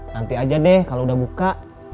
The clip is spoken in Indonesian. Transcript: nanti aja deh kalau udah buka